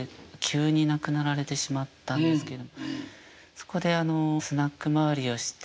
そこでスナック回りをして。